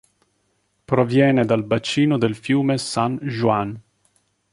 Proviene dal bacino del fiume San Juan.